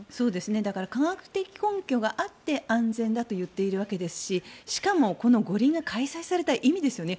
だから科学的根拠があって安全だと言っているわけですししかも、この五輪が開催された意味ですよね。